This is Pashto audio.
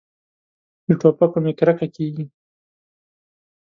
له ټوپکو مې کرکه کېږي.